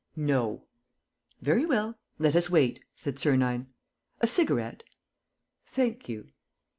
"No." "Very well. Let us wait," said Sernine. "A cigarette?" "Thank you."